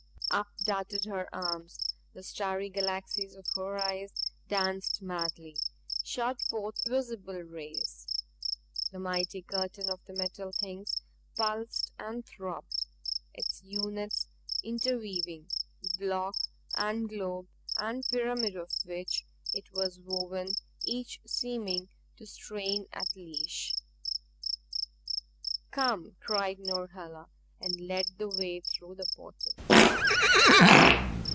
Up darted her arms; the starry galaxies of her eyes danced madly, shot forth visible rays. The mighty curtain of the Metal Things pulsed and throbbed; its units interweaving block and globe and pyramid of which it was woven, each seeming to strain at leash. "Come!" cried Norhala and led the way through the portal.